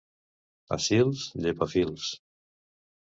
A Sils, llepafils.